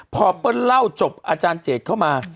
พอเปิ้ลเล่าจบอาจารย์เจตเข้ามา